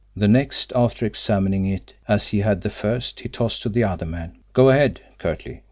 The next, after examining it as he had the first, he tossed to the other man. "Go ahead!" curtly.